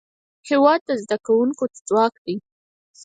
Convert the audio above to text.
هېواد د زدهکوونکو ځواک دی.